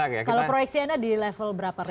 kalau proyeksi anda di level berapa range nya